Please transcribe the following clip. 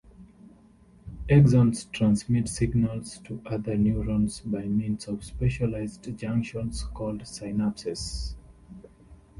Axons transmit signals to other neurons by means of specialized junctions called synapses.